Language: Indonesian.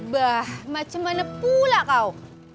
bah macam mana pula kau